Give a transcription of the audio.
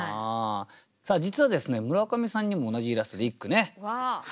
さあ実はですね村上さんにも同じイラストで一句ね。